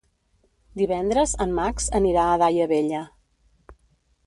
Divendres en Max anirà a Daia Vella.